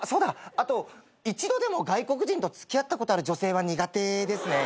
あと一度でも外国人と付き合ったことある女性は苦手ですね。